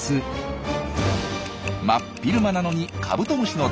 真っ昼間なのにカブトムシの大群。